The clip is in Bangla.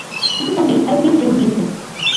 উক্ত ফোনটি অ্যালুমিনিয়াম ফ্রেম নির্মিত।